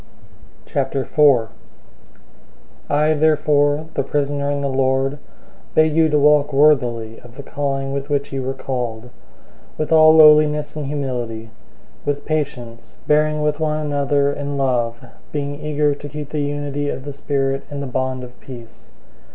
004:001 I therefore, the prisoner in the Lord, beg you to walk worthily of the calling with which you were called, 004:002 with all lowliness and humility, with patience, bearing with one another in love; 004:003 being eager to keep the unity of the Spirit in the bond of peace.